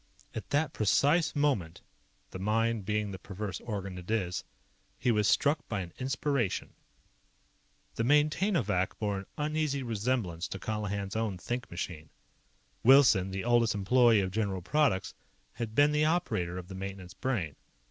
At that precise moment, the mind being the perverse organ it is, he was struck by an inspiration. The Maintainovac bore an uneasy resemblance to Colihan's own think machine. Wilson, the oldest employee of General Products, had been the operator of the maintenance Brain.